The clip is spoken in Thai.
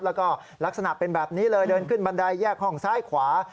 แล้วก็ลักษณะเป็นแบบนี้เลยเดินขึ้นบันไดแยกห้องซ้ายขวา